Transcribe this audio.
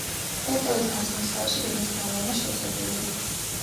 ტერიტორიის გაწმენდის გარეშე გეგმის გამოვლენა შეუძლებელია.